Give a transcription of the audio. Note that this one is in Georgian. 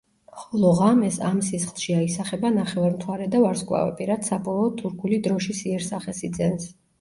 ხოლო ღამეს ამ სისხლში აისახება ნახევარმთვარე და ვარსკვლავები, რაც საბოლოოდ თურქული დროშის იერსახეს იძენს.